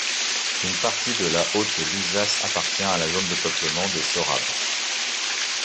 Une partie de la Haute Lusace appartient à la zone de peuplement des Sorabes.